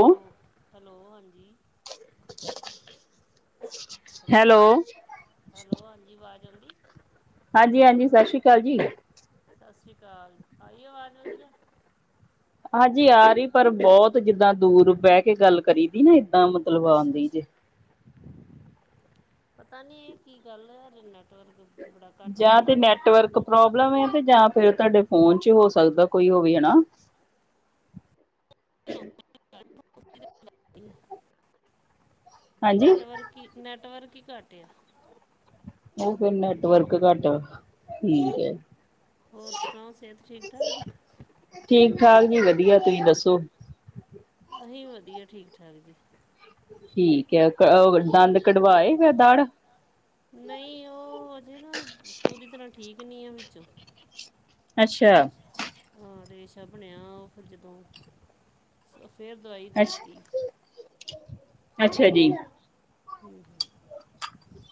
Hello, hello ਹਾਂਜੀ। Hello. Hello ਹਾਂਜੀ ਵਾਜ ਆਂਦੀ। ਹਾਂਜੀ-ਹਾਂਜੀ ਸਸ ਸ਼੍ਰੀ ਅਕਾਲ ਜੀ। ਸਸ ਸ਼੍ਰੀ ਅਕਾਲ, ਆਈ ਆਵਾਜ ਵਧੀਆ। ਹਾਂਜੀ ਆ ਰੀ ਪਰ ਬਹੁਤ ਜਿੱਦਾ ਦੂਰ ਬਹਿ ਕੇ ਗੱਲ ਕਰੀ ਨਾ ਏਦਾਂ ਮਤਲੱਬ ਅੱਛਾ ਅੱਛਾ ਪਤਾ ਨੀ ਇਹ ਕੀ ਗੱਲ ਐ ਯਾਰ ਨੈੱਟਵਰਕ ਜਾਂ ਤੇ ਨੈੱਟਵਰਕ ਪ੍ਰੋਬਲਮ ਏ ਤੇ ਜਾਂ ਫਿਰ ਤੁਹਾਡੇ ਫੋਨ ਚ ਹੋ ਸਕਦਾ ਕੋਈ ਉਹ ਵੀ ਹੈਨਾ ਹਾਂਜੀ ਨੈੱਟਵਰਕ ਈ ਨੈੱਟਵਰਕ ਕੀ ਘੱਟ ਆ ਉਹ ਫਿਰ ਨੈਟਵਰਕ ਘੱਟ ਆ ਠੀਕ ਏ ਹੋਰ ਸੁਨਾਓ ਸਿਹਤ ਠੀਕ-ਠਾਕ ਠੀਕ-ਠਾਕ ਜੀ ਵਦੀਆ ਤੁਹੀਂ ਦੱਸੋ ਅਹੀ ਵੀ ਵਦੀਆ ਠੀਕ-ਠਾਕ ਜੀ ਠੀਕ ਐ ਕ ਉ ਦੰਦ ਕਢਵਾ ਆਏ ਦਾੜਾ ਨਹੀਂ ਉਹ ਹਜੇ ਨਾ ਪੂਰੀ ਤਰ੍ਹਾਂ ਠੀਕ ਨਹੀਂ ਆ ਵਿੱਚੋਂ ਅੱਛਾ। ਹਾਂ ਰੇਸ਼ਾ ਬਣਿਆ ਓਹ ਫਿਰ ਜਦੋਂ ਓਹ ਫੇਰ ਦਵਾਈ ਅੱਛਾ ਦੇਤੀ ਅੱਛਾ ਜੀ। ਹੰ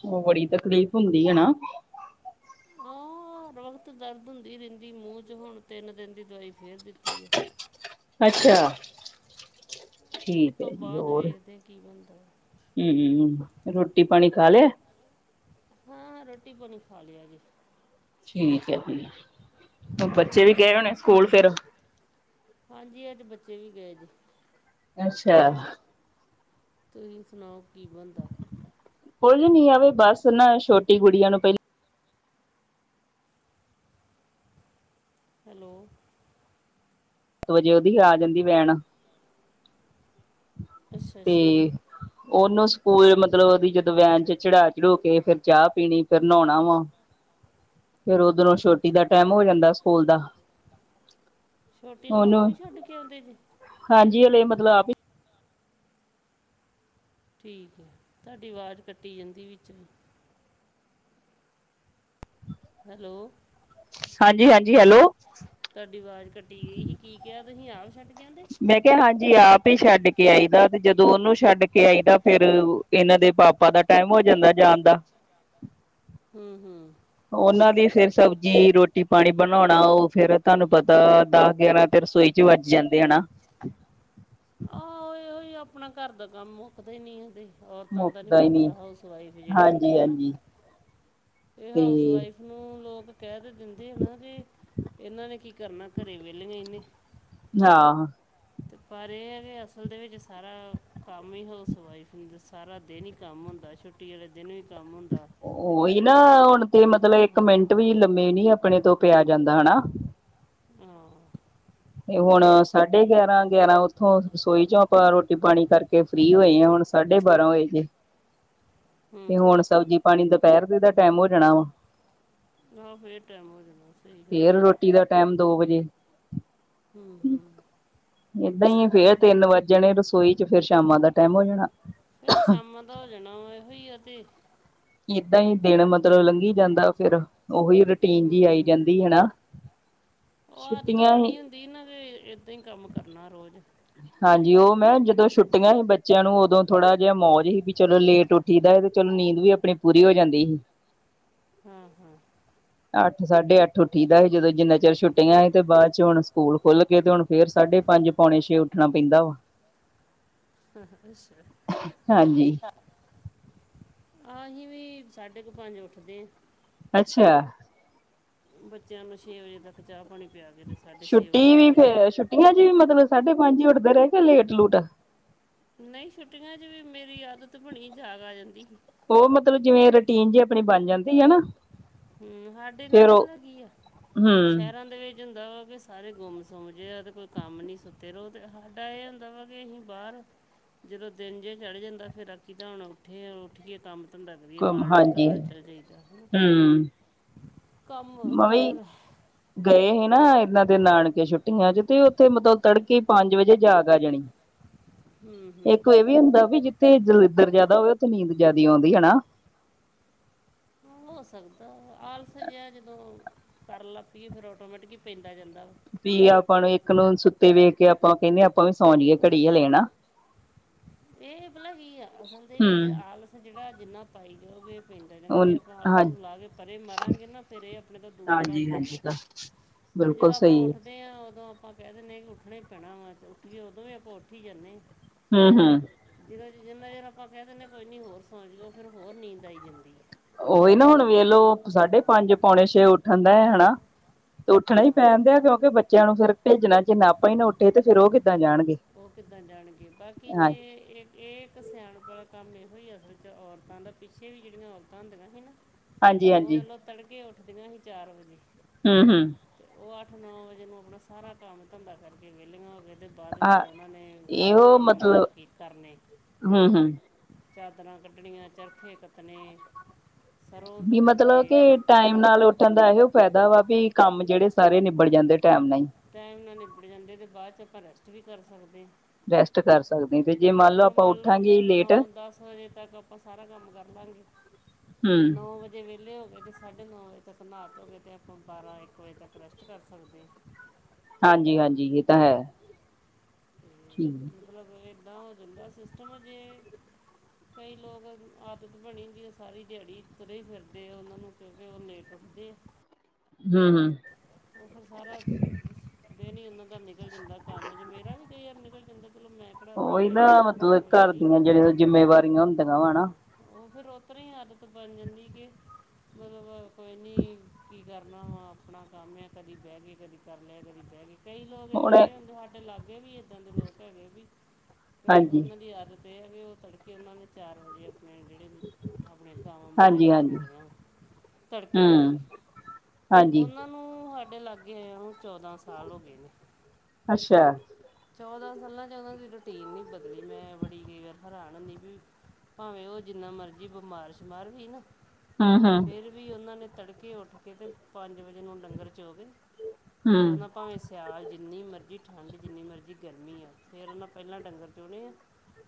ਉਹ ਬੜੀ ਤਕਲੀਫ਼ ਹੁੰਦੀ ਏ ਨਾ ਹਾਂ ਹਰ ਵਕਤ ਦਰਦ ਹੁੰਦੀ ਰਹਿੰਦੀ ਮੂੰਹ ਚ ਹੁਣ ਤਿੰਨ ਦਿਨ ਦੀ ਦਵਾਈ ਫੇਰ ਦਿੱਤੀ ਐ ਅੱਛਾ। ਉਹ ਠੀਕ ਤੋਂ ਹੈ ਜੀ ਬਾਅਦ ਹੋਰ ਵੇਖਦੇ ਹਾ ਕੀ ਬਨਦਾ ਹੂੰ ਹੂੰ ਰੋਟੀ ਪਾਨੀ ਖਾ ਲਿਆ ਹਾਂ ਹਾਂ ਰੋਟੀ ਪਾਨੀ ਖਾ ਲੇਆ ਜੀ ਠੀਕ ਹੈ ਜੀ, ਹੂਨ ਬੱਚੇ ਵੀ ਤੁਸੀਂ ਗਏ ਸੁਣ ਹੋਨੇ ਸਕੂਲ ਫਿਰ ਹਾਂਜੀ ਅੱਜ ਬੱਚੇ ਵੀ ਗਏ ਜੇ ਅੱਛਾ। ਤੁਸੀਂ ਸੁਨਾਓ ਕੀ ਬਨਦਾ ਕੁਝ ਨੀ ਆਵੇ ਬਸ ਨਾ ਐ ਛੋਟੀ ਗੁੜੀਆਂ ਨੂੰ ਪਹਿਲਾਂ ਹੈਲੋ। ਵਦੀਆ ਉਹਦੀ ਵੀ ਆ ਜਾਂਦੀ ਵੈਨ ਅੱਛਾ ਤੇ। ਅੱਛਾ ਉਹਨੂੰ ਸਕੂਲ ਮਤਲਬ ਉਹਦੀ ਜਦੋਂ ਵੈਨ ਚ ਚੜਾ-ਚੜੂ ਕੇ ਫੇਰ ਚਾਹ ਪੀਨੀ ਫੇਰ ਨਾਉਣਾ ਵਾ ਫੇਰ ਉਦਰੋਂ ਛੋਟੀ ਓਕੇ ਦਾ ਟੈਮ ਹੋ ਜਾਂਦਾ ਸਕੂਲ ਦਾ ਛੋਟੀ ਨੂੰ ਉਹਨੂੰ ਆਪ ਵੀ ਛੱਡ ਕੇ ਆਉਂਦੇ ਜੀ ਹਾਂਜੀ ਹਲੇ ਮਤਲਬ ਆਪ ਹੀ ਠੀਕ ਐ ਤੁਹਾਡੀ ਆਵਾਜ਼ ਕੱਟੀ ਜਾਂਦੀ ਵਿੱਚ ਵੀ ਹੈਲੋ। ਹਾਂਜੀ-ਹਾਂਜੀ, ਹੈਲੋ ਤੁਹਾਡੀ ਆਵਾਜ਼ ਕੱਟੀ ਗਈ ਸੀ ਕੀ ਕਿਹਾ ਤੁਸੀਂ ਆਪ ਛੱਡ ਕੇ ਆਂਦੇ ਮੈਂ ਕਿਹਾ ਹਾਂਜੀ ਆਪ ਈ ਛੱਡ ਕੇ ਆਈ ਦਾ ਤੇ ਜਦੋਂ ਉਹਨੂੰ ਛੱਡ ਕੇ ਆਈਦਾ ਫਿਰ ਇਹਨਾਂ ਦੇ ਪਾਪਾ ਦਾ ਟੈਮ ਹੋ ਜਾਂਦਾ ਜਾਨ ਦਾ ਹੰ ਹੰ ਉਹਨਾਂ ਦੀ ਫਿਰ ਸਬਜ਼ੀ ਰੋਟੀ ਪਾਨੀ ਬਨਾਉਨਾ ਉਹ ਫਿਰ ਤੁਹਾਨੂੰ ਪਤਾ ਦਸ ਗਿਆਰਾਂ ਫਿਰ ਰਸੋਈ ਚ ਵੱਜ ਜਾਂਦੇ ਹੈਨਾ ਆਹੋ ਓਹੀਔ ਹੀ ਅਪਨਾ ਘਰ ਦਾ ਕੰਮ ਮੁਕਦੇ ਨੀ ਹੈਗੇ ਔਰਤਾਂ ਦਾ ਨੀ ਮੁੱਕਦਾ ਹਾਊਸ ਵਾਈਫ ਜੇੜੀਆਂ ਹਾਂਜੀ ਹੁੰਦੀਆਂ ਨਾ, ਹਾਂਜੀ ਏ ਤੇ ਹਾਊਸ ਵਾਈਫ ਨੂੰ ਲੋਕ ਕੈ ਦੇ ਦਿੰਦੇ ਨਾ ਕਿ ਏਨਾਂ ਨੇ ਕੀ ਕਰਨਾ, ਘਰੇ ਵੇਲੇ ਈ ਨੇ। ਹਾਂ। ਤੇ ਪਰ ਏ ਐ ਕਿ ਅਸਲ ਦੇ ਵਿੱਚ ਸਾਰਾ ਕੰਮ ਹੀ ਹਾਊਸ ਵਾਈਫ ਨੂੰ ਸਾਰਾ ਦਿਨ ਹੀ ਕੰਮ ਹੁੰਦਾ ਛੁੱਟ ਛੁੱਟੀ ਆਲੇ ਦਿਨ ਵੀ ਕੰਮ ਹੁੰਦਾ। ਓਹੀ ਨਾ ਹੁਣ ਤੇ ਮਤਲਬ ਇੱਕ ਹਾਂ ਮਿੰਟ ਵੀ ਲੰਮੇ ਨੀ ਅਪਣੇ ਤੋਂ ਪਿਆ ਜਾਂਦਾ ਹੈਨਾ! ਹੰ। ਤੇ ਹੁਣ ਸਾਢੇ ਗਿਆਰਾਂ-ਗਿਆਰਾਂ ਓਥੋਂ ਰਸੋਈ ਚੋਂ ਆਪਾਂ ਰੋਟੀ ਪਾਣੀ ਕਰਕੇ ਫ੍ਰੀ ਹੋਏ ਆ ਹੁਣ ਸਾਢੇ ਬਾਰਾਂ ਹੋਏ ਜੇ। [inaudible] ਹੂੰ ਤੇ ਹੂੰ ਹੁਣ ਸਬਜ਼ੀ ਪਾਣੀ ਦੁਪਹਿਰ ਦੇ ਦਾ ਟੈਮ ਹੋ ਜਾਣਾ ਵਾ ਆਹ ਫੇਰ ਟਾਈਮ ਹੋ ਜਾਣਾ ਸਹੀ ਗੱਲ ਫੇਰ ਹੈ। ਰੋਟ ਰੋਟੀ ਦਾ ਟੈਮ ਦੋ ਵਜੇ। ਹੂੰ-ਹੂੰ। ਏਦਾਂ ਈ ਏ ਫੇਰ ਤਿੰਨ ਵੱਜ ਜਾਣੇ ਰਸੋਈ ਚ ਫੇਰ ਸ਼ਾਮਾਂ ਦਾ ਟੈਮ ਹੋ ਜਾਣਾ। ਫਿਰ ਸ਼ਾਮਾਂ ਦਾ ਹੋ ਜਾਣਾ ਵਾ, ਇਹੋਈ ਆ ਤੇ। ਇਦਾਂ ਈ ਦਿਨ ਮਤਲਬ ਲੰਘੀ ਜਾਂਦਾ ਫਿਰ। ਓਹੀ ਰੂਟੀਨ ਜੀ ਆਈ ਹੂੰ ਜਾਂਦੀ ਹੈਨਾ, ਛੁੱਟੀਆਂ ਹੀ ਦੀ ਨਾ ਨੇ ਏਦਾਂ ਹੀ ਕੰਮ ਕਰਨਾ ਰੋਜ਼। ਹਾਂਜੀ ਓ ਮੈਂ ਜਦੋਂ ਛੁੱਟੀਆਂ ਹੀ ਬੱਚਿਆਂ ਨੂੰ ਓਦੋਂ ਥੋੜਾ ਜਿਹਾ ਮੌਜ ਹੀ ਵੀ ਚਲੋ ਲੇਟ ਉੱਠ ਠੀ ਦਾ ਚਲੋ ਨੀਂਦ ਵੀ ਆਪਣੀ ਪੂਰੀ ਹੋ ਜਾਂਦੀ ਹੀ। ਹਾਂ-ਹਾਂ। ਅੱਠ ਸਾਢੇ ਅੱਠ ਉੱਠੀ ਦਾ ਹੀ ਜਦੋਂ ਜਿੰਨਾ ਚਿਰ ਛੁੱਟੀਆਂ ਸੀ ਤੇ ਬਾਦ 'ਚ ਹੁਣ ਸਕੂਲ ਖੁੱਲਗੇ ਤੇ ਹੁਣ ਫਿਰ ਸਾਡੇ ਪੰਜ-ਪੌਣੇ ਛੇ ਉੱਠਣਾ ਪੈਂਦਾ ਵਾ। [inaudible] ਹਾਂਜੀ ਹਾਂਜੀ ਵੀ ਸਾਢੇ ਕ ਪੰਜ ਉੱਠਦੇ। ਅੱਛਾ। ਬੱਚਿਆਂ ਨੂੰ ਛੇ ਵਜੇ ਤੱਕ ਚਾਹ ਪਾਣੀ ਪਿਆ ਕੇ ਤੇ ਸਾਢੇ ਛੇ ਵਜੇ ਤੋਂ ਬੱਚ ਏਨਾਂ ਜੀ ਮਤਲਬ ਸਾਢੇ ਪੰਜ ਈ ਉੱਠਦੇ ਰਏ ਕਿ ਲੇਟ-ਲੂਟ? ਨਹੀਂ ਛੁੱਟੀਆਂ ਚ ਵੀ ਮੇਰੀ ਆਦਤ ਬਣੀ, ਜਾਗ ਆ ਜਾਂਦੀ ਹੀ। ਓ ਮਤਲਬ ਜਿਵੇਂ ਰੂਟੀਨ ਜੇ ਆਪਣੀ ਬਣ ਜਾਂਦੀ। ਹੈ ਨਾ ਹੂੰ, ਹਾਡੇ ਫੇਰ ਨਾਲੇ ਉਹ ਭਲਾ ਕੀ ਆ, ਸ਼ਹਿਰਾਂ ਦੇ ਵਿੱਚ ਹੁੰਦਾ ਵਾ ਬਈ ਸਾਰੇ ਗੁੰਮ ਸੁਮ ਜੇ ਆ ਤੇ ਕੋਈ ਕੰਮ ਨੀਂ ਸੁੱਤੇ ਰਹੋ ਤੇ ਹਾਡਾ ਏ ਹੁੰਦਾ ਵਾ ਕਿ ਅਸੀਂ ਬਾਹਰ ਜਦੋਂ ਦਿਨ ਜਿਆ ਚੜ ਜਾਂਦਾ ਫਿਰ ਆਖੀਦਾ ਹੁਣ ਉੱਠੇ ਆਂ ਉੱਠੀਏ। ਕੰਮ ਧੰਦਾ ਕਰੀਏ, ਹੂੰ ਮਾਲ ਡੰਗਰ ਹਾਂਜੀ। ਵੱਲ ਚੱਲ ਜਾਈਦਾ, ਹੈਨਾ। ਹੂੰ, ਕੰਮ ਮੈਂ ਓਦਾ ਵੀ ਫਿਰ ਗਏ ਹੀ ਨਾ ਐਨਾਂ ਦੇ ਨਾਨਕੇ ਛੁੱਟੀਆਂ ਚ ਤੇ ਉੱਥੇ ਮਤਲਬ ਤੜਕੇ ਪੰਜ ਵਜੇ ਜਾਗ ਆ ਜਾਣੀ। [inaudible] ਹੂੰ ਇੱਕ ਹੂੰ ਏ ਵੀ ਹੁੰਦਾ ਵੀ ਜਿੱਥੇ ਦਲੀਦਰ ਜਿਆਦਾ ਹੋਵੇ ਉਥੇ ਨੀਂਦ ਜਿਆਦਾ ਆਉਂਦੀ ਹੈਨਾ? ਹੋ ਸਕਦਾ, ਆਲਸ ਜਿਹਾ ਜਦੋਂ ਕਰਨ ਲੱਗ ਪਈਏ ਫਿਰ ਆਟੋਮੈਟਿਕ ਹੀ ਪੈਂਦਾ ਜਾਂਦਾ ਵਾ। ਵੀ ਆਪਾਂ ਨੂੰ ਇੱਕ ਨੂੰ ਸੁੱਤੇ ਵੇਖ ਕੇ ਆਪਾਂ ਕੈਂਨੇ ਆਪਾਂ ਵੀ ਸੌਂ ਜੀਏ ਘੜੀ ਹਲੇ ਹਨਾ। ਏ ਭਲਾ ਕੀ ਆ ਅਸਲ ਦੇ ਵਿੱਚ ਹੂੰ, ਆਲਸ ਜੇੜਾ ਜਿੰਨਾ ਪਾਈ ਜਾਓਗੇ ਪੈਂਦਾ ਕਹਿੰਦਾ ਜੇ ਹੁਣ ਆਪਾਂ ਆਲਸ ਹਾਂ ਨੂੰ ਲਾ ਕੇ ਪਰਾ ਮਾਰਾਂਗੇ ਨਾ ਫਿਰ ਏ ਆਪਣੇ ਤੋਂ ਦੂਰ ਭੱਜ ਜੂਗਾ। ਹਾਂਜੀ-ਹਾਂਜੀ ਬਿਲਕੁਲ ਸਈ ਏ। ੳਠਦੇ ਆ ਉਦੋਂ ਆਪਾਂ ਕਹਿ ਦਿੰਨੇ ਆ ਕਿ ਉੱਠਨਾ ਹੀ ਪੈਣਾ ਵਾ ਤੇ ਉੱਠ ਕੇ ਉਦੋਂ ਵੀ ਆਪਾਂ ਉੱਠ ਹੀ ਜਾਨੇ ਆ। ਹੁ ਹੁ। ਜਿਹਦਾ ਜਿੰਨਾ ਚਿਰ ਆਪਾਂ ਕਹਿ ਦਿੰਨੇ ਆ ਕੋਈ ਨੀ ਹੋਰ ਸੋ ਜੋ ਫਿਰ ਹੋਰ ਨੀਂਦ ਆਈ ਜਾਂਦੀ ਏ। ਉਹੀ ਨਾ ਹੁਣ ਵੇਖਲੋ ਸਾਢੇ ਪੰਜ ਪੌਣੇ ਛੇ ਉੱਠਣ ਦਾ ਹੈਨਾ। ਤੇ ਉੱਠਣਾ ਈ ਹਾਂ ਪੈਣ ਡਿਆ ਕਿਉਂਕਿ ਬੱਚਿਆਂ ਨੂੰ ਫਿਰ ਭੇਜਣਾ ਜਿੰਨਾ ਆਪਾਂ ਈ ਨਾ ਉੱਠੇ ਤੇ ਫਿਰ ਉ ਕਿੱਦਾ ਜਾਣਗੇ। ਉਹ ਕਿੱਦਾਂ ਜਾਣਗੇ ਬਾਕੀ ਜੇ ਹਾਂ ਇਹ ਇਹ ਇੱਕ ਸਿਆਣਪ ਆਲਾ ਕੰਮ ਇਹੋ ਹੀ ਅਸਲ ਚ ਔਰਤਾਂ ਦਾ ਪਿੱਛੇ ਵੀ ਜਿਹੜੀਆਂ ਔਰਤਾਂ ਹੁੰਦੀਆਂ ਸੀ ਨਾ ਉ ਹਾਂਜੀ-ਹਾਂਜੀ ਵੇਖਲੋ ਤੜਕੇ ਉੱਠਦੀਆਂ ਸੀ ਚਾਰ ਵਜੇ। ਹ ਹ। ਉ ਅੱਠ ਨੌ ਵਜੇ ਨੂੰ ਆਪਣਾ ਸਾਰਾ ਕੰਮ ਧੰਦਾ ਕਰਕੇ ਵਿਏਲੀਆਂ ਹੋ ਕੇ ਤੇ ਬਾਅਦ ਵਿੱਚ ਹਾਂ ਤੇ ਉਹਨਾਂ ਨੇ ਹੋਰ ਇਹੋ ਕੰਮ ਮਤਲਬ ਨਾਲ ਕੀ ਕਰਨੇ? ਹੂੰ ਹੂੰ ਚਾਦਰਾਂ ਕੱਢਣੀਆਂ ਚਰਖੇ ਕੱਤਣੇ। ਸਰੋਂ ਕੀ ਤੋਂ ਮਤਲਬ ਕੀ ਦੂਜੇ ਟਾਈਮ ਨਾਲ ਉੱਠਣ ਦਾ ਇਓ ਫਾਇਦਾ ਵਾ ਵੀ ਕੰਮ ਜਿਹੜੇ ਸਾਰੇ ਨਿਬੜ ਜਾਂਦੇ ਟਾਈਮ ਨਾ ਈ। ਟਾਈਮ ਨਾਲ ਨਿਬੜ ਜਾਂਦੇ ਨੇ ਬਾਅ 'ਚ ਆਪਾਂ ਰੈਸਟ ਵੀ ਕਰ ਸਕਦੇ ਆ। ਰੈਸਟ ਕਰ ਸਕਦੇ ਤੇ ਜੇ ਲਓ ਹੁਣ ਆਪਾਂ ਮੰਨ ਲੋਓ ਉੱਠਾਂਗੇ ਲੇਟ ਨੌ ਦਸ ਵਜੇ ਤੱਕ ਆਪਾਂ ਸਾਰਾ ਕੰਮ ਕਰ ਲਾਗੇ ਹੂੰ ਤੇ ਨੌ ਵਜੇ ਜੇ ਵਿਹਲੇ ਓ ਗਏ ਤਾਂ ਸਾਢੇ ਨੌ ਵਜੇ ਤੱਕ ਨਾਹ ਧੋਕੇ ਤੇ ਆਪਾਂ ਬਾਰਾਂ ਇੱਕ ਵਜੇ ਤੱਕ ਰੈਸਟ ਕਰ ਸਕਦੇ ਆ। ਹਾਂਜੀ ਹਾਂਜੀ ਇਹ ਤਾਂ ਹੈ। ਤੇ ਠੀਕ। ਮਤਲਬ ਇੱਦਾਂ ਓ ਜਾਂਦਾ ਸਿਸਟਮ ਜੇ ਕਈ ਲੋਕ ਆਦਤ ਬਣੀ ਹੂਈ ਏ ਸਾਰੀ ਦਿਹਾੜੀ ਤੁਰੇ ਫਿਰਦੇ ਉਹਨਾਂ ਨੂੰ ਕਿਉਂਕਿ ਉ ਲੇਟ ਉੱਠਦੇ ਆ। ਹਮ ਹਮ। ਉ ਫਿਰ ਸਾਰਾ ਦਿਨ ਈ ਉਹਨਾਂ ਦਾ ਨਿਕਲ ਜਾਂਦਾ ਕੰਮ ਚ ਮੇਰਾ ਵੀ ਕਈ ਯਾਰ ਨਿਕਲ ਜਾਂਦਾ ਚਲੋ ਮੈਂ ਕਿਹੜਾ ਰੋਜ਼ ਉਹੀ ਨਾ ਵੇਲੀ ਮਤਲਬ ਹੋ ਘਰ ਜਾਦੀ ਦੀਆਂ ਜਿਹੜੀਆਂ ਜਿੰਮੇਵਾਰੀਆਂ ਹੁੰਦੀਆਂ ਹਾਂ। ਵਾ ਨਾ ਉਹ ਫੇਰ ਉਸ ਤਰ੍ਹਾਂ ਹੀ ਆਦਤ ਬਣ ਜਾਂਦੀ ਏ ਕੇ ਮਤਲਬ ਕੋਈ ਨੀ ਕੀ ਕਰਨਾ ਵਾ ਆਪਣਾ ਕੰਮ ਏ ਕਦੀ ਬਹਿ ਗੇ ਕਦੀ ਕਰ ਲਿਆ ਕਦੀ ਬਹਿ ਗੇ ਕਈ ਲੋਕ ਹੁਣ ਏਦਾਂ ਦੇ ਹੁੰਦੇ ਸਾਡੇ ਲਾਗੇ ਵੀ ਏਦਾਂ ਦੇ ਲੋਕ ਹੈਗੇ ਵੀ ਕ ਹਾਂਜੀ ਉਹਨਾਂ ਦੀ ਆਦਤ ਏ ਆ ਵੀ ਉਹ ਤੜਕੇ ਉਹਨਾਂ ਨੇ ਚਾਰ ਵਜੇ ਆਪਣੇ ਜਿਹੜੇ ਆਪਣੇ ਗਵਾਂ ਮੱਝਾਂ ਹਾਂਜੀ ਚੋ ਹਾਂਜੀ ਲੈਦੀਆਂ ਵਾ ਤੜਕੇ ਉੱਠ ਕੇ ਹੂੰ ਹਾਂਜੀ ਉਨਾਂ ਨੂੰ ਸਾਡੇ ਲਾਗੇ ਆਏ ਹੋਏ ਨੂੰ ਚੌਦਾਂ ਸਾਲ ਹੋ ਗਏ ਨੇ। ਅੱਛਾ! ਚੌਦਾਂ ਸਾਲਾਂ 'ਚ ਉਹਨਾਂ ਦੀ ਰੂਟੀਨ ਨਈ ਬਦਲੀ ਮੈਂ ਬੜੀ ਕਈ ਵਾਰ ਹੈਰਾਨ ਹੁੰਦੀ ਵੀ ਭਾਵੇਂ ਉ ਜਿੰਨਾ ਮਰਜੀ ਬਿਮਾਰ ਸ਼ਿਮਾਰ ਵੀ ਨਾ ਹ ਹ। ਫਿਰ ਵੀ ਉਹਨਾਂ ਨੇ ਤੜਕੇ ਉੱਠ ਕੇ ਤੇ ਪੰਜ ਵਜੇ ਨੂੰ ਡੰਗਰ ਚੋ ਕੇ ਹੂੰ ਫਿਰ ਉਹਨਾਂ ਭਾਵੇਂ ਸਿਆਲ ਜਿੰਨੀ ਮਰਜ਼ੀ ਠੰਡ ਜਿਨੀ ਮਰਜ਼ੀ ਗਰਮੀ ਆ ਫੇਰ ਉਹਨਾ ਪਹਿਲਾ ਡੰਗਰ ਚੋਣੇ ਆ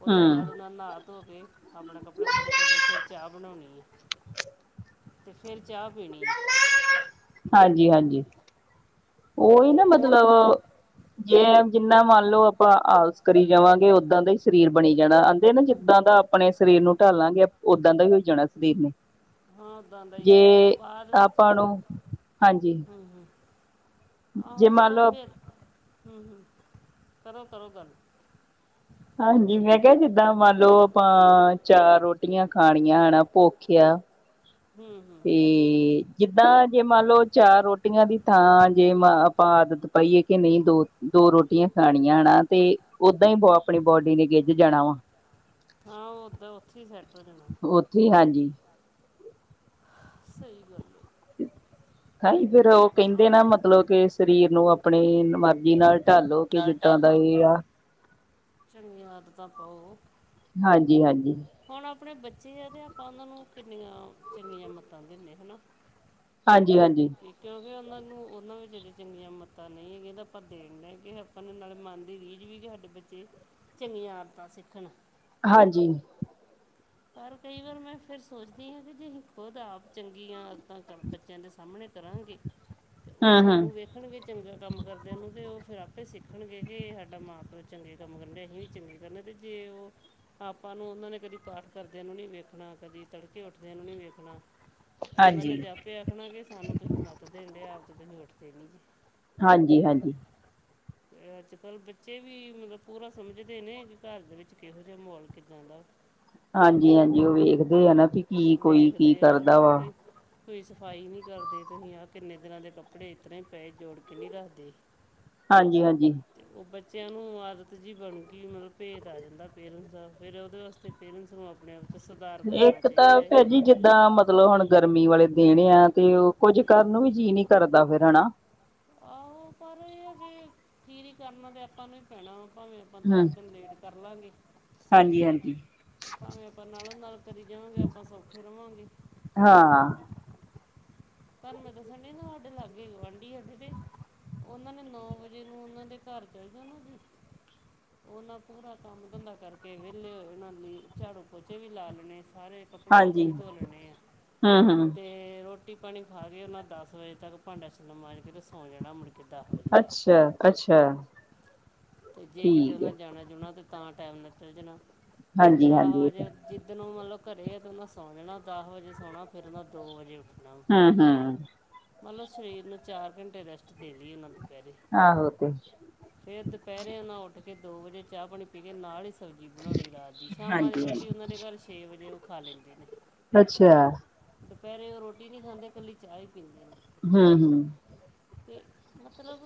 ਉਹ ਤੋਂ ਹੂੰ ਬਾਅਦ ਉਹਨਾਂ ਨਹਾ ਧੋ ਕੇ ਆਪਣੇ ਕੱਪੜੇ ਕੁਪੜੇ ਧੋ ਕੇ ਫਿਰ ਚਾਹ ਬਣਾਉਣੀ ਏ ਤੇ ਫਿਰ ਚਾਹ ਪੀਣੀ ਏ। ਹਾਂਜੀ ਹਾਂਜੀ। ਉਹੀ ਨਾ ਤੇ ਮਤਲਬ ਜੇ ਜਿੰਨਾ ਮੰਨ ਲਓ ਆਪਾਂ ਆਲਸੀ। ਕਰੀ ਜਾਵਾਂਗੇ ਉੱਦਾਂ ਦਾ ਹੀ ਸਰੀਰ ਬਣੀ ਜਾਣਾ ਆਹਦੇ ਨਾ ਜਿੱਦਾਂ ਦਾ ਆਪਣੇ ਸਰੀਰ ਨੂੰ ਢਾਲਾਂਗੇ ਉਦਾ ਦਾ ਹੀ ਹੋ ਜਾਣਾ ਸਰੀਰ ਨੇ ਹਾਂ ਉਦਾ ਹੀ ਜੇ ਬਾਅਦ ਵਿੱਚ ਆਪਾਂ ਨੂੰ ਹਾਂਜੀ ਜੇ ਆਹੋ ਮੰਨ ਚਲੋ ਲਓ ਫਿਰ ਹਮ ਕਰੋ ਕਰੋ ਗੱਲ ਹਾਂਜੀ ਮੈਂ ਕਿਹਾ ਜਿੱਦਾਂ ਮੰਨ ਲਓ ਆਪਾਂ ਚਾਰ ਰੋਟੀਆਂ ਖਾਣੀਆਂ ਹਨਾ ਭੁਖ ਹਮ ਹਮ ਤੇ ਜਿੱਦਾਂ ਜੇ ਮੰਨ ਲਓ ਚਾਰ ਰੋਟੀਆਂ ਦੀ ਥਾਂ ਜੇ ਮ ਆਪਾਂ ਆਦਤ ਪਾਈ ਕੇ ਕਿ ਨਹੀਂ ਦੋ ਰੋਟੀਆਂ ਖਾਣੀਆਂ ਹਨਾ ਤੇ ਓਦਾਂ ਹੀ ਬ ਆਪਣੀ ਬੋਡੀ ਨੇ ਗਿੱਝ ਜਾਣਾ ਵਾ ਹਾਂ ਉਦਾ ਉੱਥੇ ਹੀ ਸੈਟ ਔਹ ਜਾਣਾ ਉੱਥੀ ਹਾਂਜੀ ਸਹੀ ਗੱਲ ਹੈ। ਹੈ ਫਿਰ ਉਹ ਕਹਿੰਦੇ ਆ ਨਾ ਮਤਲਬ ਕਿ ਸਰੀਰ ਨੂੰ ਆਪਣੇ ਮਰਜ਼ੀ ਨਾਲ ਢਾਲੋ ਕਿ ਜਿੱਦਾਂ ਦਾ ਵੀ ਆ ਚੰਗੀਆਂ ਆਦਤਾਂ ਪਾਓ। ਹਾਂਜੀ ਹਾਂਜੀ। ਹੁਣ ਆਪਣੇ ਬੱਚੇ ਤੇ ਆਪਾਂ ਉਹਨਾਂ ਨੂੰ ਕਿੰਨੀਆਂ ਚੰਗੀਆਂ ਮੱਤਾਂ ਦਿੰਦੇ ਹਨਾ ਹਾਂਜੀ ਹਾਂਜੀ। ਅਤੇ ਕਿਉਂਕਿ ਉਹਨਾਂ ਨੂੰ ਉਹਨਾਂ ਵਿੱਚ ਜੇ ਚੰਗੀਆਂ ਮੱਤਾਂ ਨਹੀਂ ਹੈਗੀਆਂ ਤਾਂ ਆਪਾਂ ਦੇਖਦੇ ਕਿ ਆਪ ਨਾਲ ਮਨ ਦੀ ਰੀਝ ਵੀ ਕਿ ਸਾਡੇ ਬੱਚੇ ਚੰਗੀਆਂ ਆਦਤਾਂ ਸਿੱਖਣ ਹਾਂਜੀ ਪਰ ਕਈ ਵਾਰ ਮੈਂ ਫੇਰ ਸੋਚਦੀ ਹਾਂ ਕਿ ਜੇ ਅਸੀਂ ਖੁਦ ਆਪ ਚੰਗੀਆ ਅਦਤਾ ਬੱਚਿਆਂ ਦੇ ਸਾਹਮਣੇ ਕਰਾਂਗੇ ਤੇ ਉਹ ਹੂੰ ਹੂੰ ਸਾਨੂੰ ਵੇਖ ਸਖਣਗੇ ਚੰਗਾ ਕੰਮ ਕਰਦਿਆਂ ਨੂੰ ਤੇ ਉਹ ਫੇਰ ਆਪੇ ਸਿੱਖਣਗੇ ਕਿ ਸਾਡਾ ਮਾਂ ਪਿਓ ਚੰਗੇ ਕੰਮ ਕਰਨਗੇ ਅਸੀਂ ਵੀ ਚੰਗੇ ਕ ਤਾਂ ਜੇ ਉਹ ਆਪਾਂ ਨੂੰ ਉਹਨਾਂ ਨੇ ਕਦੇ ਪਾਠ ਕਰਦਿਆਂ ਨੂੰ ਨਹੀਂ ਵੇਖਣਾ ਕਦੇ ਤੜਕੇ ਉੱਠਦੇ ਨੂੰ ਨਹੀਂ ਵੇਖਣਾ। ਤੇ ਉਹਨਾਂ ਨੇ ਹਾਂਜੀ ਤੇ ਆਪੇ ਆਖਣਾ ਕਿ ਸਾਨੂੰ ਤੁਸੀਂ ਮੱਤ ਦੇਣ ਡਿਆ ਆਪ ਤੇ ਤੁਸੀਂ ਉੱਠਦੇ ਨੀ ਜੇ ਹਾਂਜੀ ਹਾਂਜੀ। ਠ ਤੇ ਅੱਜ ਕੱਲ੍ਹ ਬੱਚੇ ਵੀ ਮਤਲਬ ਪੂਰਾ ਸਮਝਦੇ ਨੇ ਕਿ ਘਰ ਦੇ ਵਿੱਚ ਕਿਹੋ ਜਿਹਾ ਮਾਹੌਲ ਕਿੱਦਾ ਦਾ ਹਾਂਜੀ ਹਾਂਜੀ ਉਹੀ ਵੇਖਦੇ ਆ ਨਾ ਵੀ ਕੀ ਕੋਈ ਕੀ ਦੇਖਦੇ ਆ ਕਰਦਾ ਹਨਾ ਵਾ ਵੀ ਕੋਈ ਸਫਾਈ ਨਹੀਂ ਕਰਦੇ ਤੁਸੀਂ ਆਹ ਕਿੰਨੇ ਦਿਨਾਂ ਦੇ ਕੱਪੜੇ ਇਸ ਤਰ ਹੀ ਪਏ ਜੋੜ ਕੇ ਨਹੀਂ ਰੱਖਦੇ। ਥ ਹਾਂਜੀ ਹਾਂਜੀ। ਉਹ ਬੱਚਿਆਂ ਨੂੰ ਆਦਤ ਜਿਹੀ ਬਣ ਗਈ ਮਤਲਬ ਭੇਦ ਆ ਜਾਂਦਾ ਪੇਰੈਂਟਸ ਦਾ ਫਿਰ ਉਹਦੇ ਵਾਸਤੇ ਪੇਰੈਂਟਸ ਨੂੰ ਆਪਣੇ ਆਪ ਚ ਸੁਧਾਰ ਕਰਨਾ ਇੱਕ ਚਾਹੀਦਾ ਤਾਂ ਹੈ ਫਿਰ ਜੀ ਜਿੱਦਾਂ ਮਤਲਬ ਹੁਣ ਗਰਮੀ ਵਾਲੇ ਦਿਨ ਆ ਤੇ ਉਹ ਕੁੱਝ ਕਰਨ ਵੀ ਜੀਅ ਨੀ ਕਰਦਾ ਫਿਰ ਹਨਾ ਆਹੋ ਪਰ ਇਹ ਹੈ ਜ ਖੀਰੀ ਕਰਨਾ ਤਾਂ ਆਪਾਂ ਨੂੰ ਹੀ ਪੈਣਾ ਵਾ ਭਾਵੇਂ ਆਪਾਂ ਹੂੰ ਦਸ ਦਿਨ ਲੇਟ ਕਰ ਲਾਗੇ ਹਾਂਜੀ ਹਾਂਜੀ। ਭਾਵੇਂ ਆਪਾਂ ਨਾਲੋਂ ਨਾਲ ਕਰੀ ਜਾਵਾ ਗੇ ਆਪਾ ਸੌਖੇ ਰਵਾਂਗੇ। ਹਾਂ। ਤਾਨੂੰ ਮੈਂ ਦੱਸਣ ਡੂਈ ਨਾ ਸਾਡੇ ਲਾਗੇ ਗੁਆਂਢੀ ਆ ਤੇ ਓਨਾਂ ਨੇ ਨੌ ਵਜੇ ਨੂੰ ਉਨ੍ਹਾਂ ਦੇ ਘਰ ਜਾਈਦਾ ਨਾ ਜੀ ਓਨਾਂ ਪੂਰਾ ਕੰਮ ਧੰਦਾ ਕਰਕੇ ਵੈਲੇ ਹੋਏ ਹੋਣਾ ਨਾਲੇ ਝਾੜੂ-ਪੋਚੇ ਵੀ ਲਾ ਲੈਣੇ ਸਾਰੇ ਕੱਪੜੇ-ਕੁੱਪੜੇ ਹਾਂਜੀ ਵੀ ਧੋ ਲੈਂਦੇ ਹਾਂ ਹੂੰ ਹੂੰ ਤੇ ਰੋ ਪਾਣੀ ਖਾ ਕੇ ਓਨਾਂ ਦਸ ਵਜੇ ਤੱਕ ਭਾਂਡਾ-ਛੱਲਾਂ ਮਾਂਜ ਕੇ ਤੇ ਸੌਂ ਜਾਣਾ ਤੇ ਮੁੜਕੇ ਕਿਦਾਂ ਅਪਨੇ ਜੀ, ਅੱਛਾ ਅੱਛਾ ਜੇ ਕਿਤੇ ਠੀਕ ਹੈ ਓਨਾਂ ਜਾਣਾ-ਜੁਣਾ ਤੇ ਤਾਂ ਟੈਮ ਨਿਕਲ ਜਾਣਾ ਤੇ ਹਾਂਜੀ ਦਾਹ ਹਾਂਜੀ ਇਹ ਤਾਂ ਵਜੇ ਜਿੱਦਣ ਓ ਮਤਲਬ ਘਰੇ ਆ ਤੇ ਓਨਾਂ ਸੌਂ ਜਾਣਾ ਦਸ ਵਜੇ ਸੌਣਾ ਫੇਰ ਓਨਾਂ ਦੋ ਵਜੇ ਉੱਠਣਾ। ਹੰ-ਹੰ। ਓਨਾ ਸਰੀਰ ਨੂੰ ਚਾਰ ਘੰਟੇ ਰੈਸਟ ਦੇਨੀ ਓਨਾਂ ਦੋਪੈਰੇ। ਆਹੋ ਤੇ ਫੇਰ ਦੋਪੈਰੇ ਓਨਾ ਓਠ ਕੇ ਦੋ ਵਜੇ ਚਾਹ-ਪਾਣੀ ਪੀ ਕੇ ਨਾਲ ਈ ਸਬਜੀ ਬਣਾਉਣੀ ਰਾਤ ਦੀ, ਸ਼ਾਮਾਂ ਦੀ ਰੋਟੀ ਹਾਂਜੀ-ਹਾਂਜੀ। ਉਨ੍ਹਾਂ ਦੇ ਘਰ ਛੇ ਵਜੇ ਓ ਖਾ ਲੈਂਦੇ ਨੇ। ਅੱਛਾ। ਦੁਪੈਰੇ ਓ ਰੋਟੀ ਨੀਂ ਖਾਂਦੇ, ਕੱਲੀ ਚਾਹ ਈ ਪੀਂਦੇ ਨੇ। ਹੂੰ-ਹੂੰ। ਤੇ ਮਤਲਬ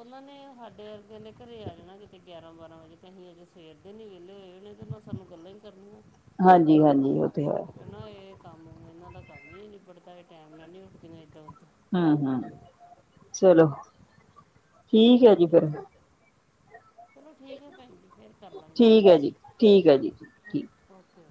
ਓਨਾਂ ਨੇ ਹਾਡੇ ਅਰਗਿਆਂ ਦੇ ਘਰੇ ਆ ਜਾਣਾ ਕਿਤੇ ਗਿਆਰਾਂ-ਬਾਰਾਂ ਵਜੇ ਤੇ ਅਸੀਂ ਅਜੇ ਸਵੇਰ ਨੀਂ ਵੇਲੇ ਹੋਏ ਹੋਨੇ ਤੇ ਓਨਾ ਮੈਂ ਸਾਨੂੰ ਗੱਲਾਂ ਈਂ ਕਰਨੀਆਂ। ਹਾਂਜੀ-ਹਾਂਜੀ, ਓ ਤੇ ਹੈ। ਨਾ ਏ ਕੰਮ ਏਨਾਂ ਦਾ ਕੰਮ ਕਈ ਨੀ ਨਿਬੜਦਾ, ਏ ਟੈਮ ਨਾਲ ਨੀ ਉੱਠਦੀਆਂ ਏਦਾਂ ਹੂੰ-ਹੂੰ ਚਲੋ, ਠੀਕ ਐ ਜੀ ਫੇਰ। ਚਲੋ ਠੀਕ ਐ ਫੇਰ। ਠੀਕ ਐ ਜੀ, ਠੀਕ ਐ ਜੀ। ਠੀਕ। ਓਕੇ।